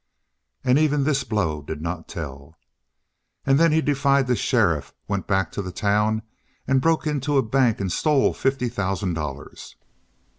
And even this blow did not tell. "And then he defied the sheriff, went back to the town, and broke into a bank and stole fifty thousand dollars."